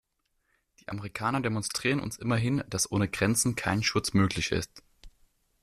Die Amerikaner demonstrieren uns immerhin, dass ohne Grenzen kein Schutz möglich ist.